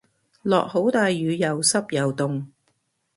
落好大雨又濕又凍